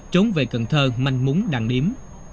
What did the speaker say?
trốn về cần thơ manh múng đăng điếm